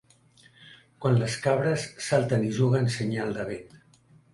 Quan les cabres salten i juguen, senyal de vent.